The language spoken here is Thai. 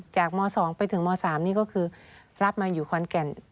ม๒ไปถึงม๓นี่ก็คือรับมาอยู่ขอนแก่น